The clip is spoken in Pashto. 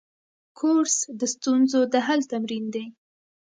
کورس د ستونزو د حل تمرین دی.